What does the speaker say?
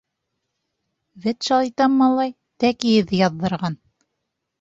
— Вәт, шайтан малай, тәки эҙ яҙҙырған.